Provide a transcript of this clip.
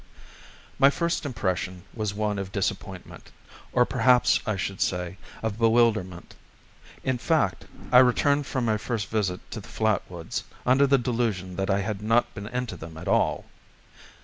My first impression was one of disappointment, or perhaps I should rather say, of bewilderment. In fact, I returned from my first visit to the flat woods under the delusion that I had not been into them at all.